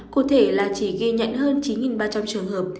cụ thể là chỉ ghi nhận hơn chín ba trăm linh trường hợp